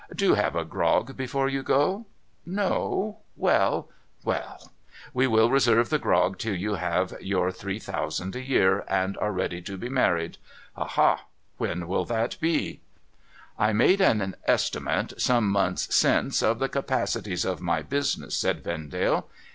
Do have a grog before you go ! No ? AV'cll ! well ! we will reserve the grog till you have your three thousand a year, and are ready to be married. Aha ! AVhen will that be?' ' I made an estimate, some months since, of the capacities of my business,' said Vendale.